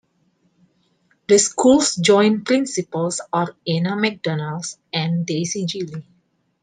The school's joint principals are Anna MacDonald and Daisy Gili.